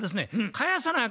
返さなあ